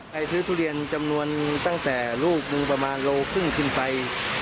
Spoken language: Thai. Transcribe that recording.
ซื้อทุเรียนจำนวนตั้งแต่ลูกหนึ่งประมาณโลครึ่งขึ้นไป